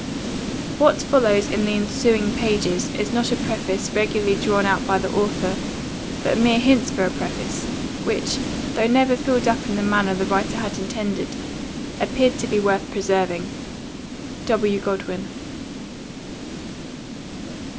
What follows in the ensuing pages, is not a preface regularly drawn out by the author, but merely hints for a preface, which, though never filled up in the manner the writer intended, appeared to be worth preserving. W. GODWIN.